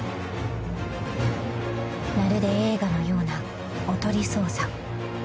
［まるで映画のようなおとり捜査］